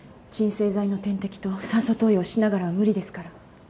鎮静剤の点滴と酸素投与しながらは無理ですから。